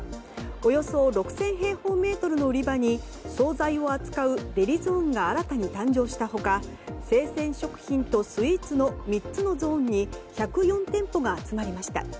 およそ６０００平方メートルの売り場に総菜を扱うデリゾーンが新たに誕生した他生鮮食品とスイーツの３つのゾーンに１０４店舗が集まりました。